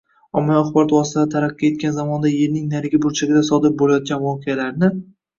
Ommaviy axborot vositalari taraqqiy etgan zamonda yerning narigi burchagida sodir bo‘layotgan voqealarni